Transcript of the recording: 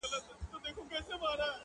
علت بیا هم نسل، کلتور